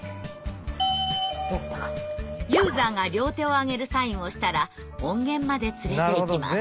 ユーザーが両手をあげるサインをしたら音源まで連れていきます。